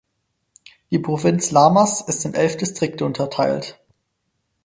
Die Provinz Lamas ist in elf Distrikte unterteilt.